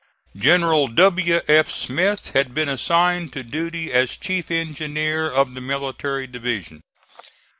General W. F. Smith had been assigned to duty as Chief Engineer of the Military Division.